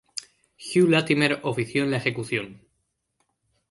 Hugh Latimer ofició en la ejecución.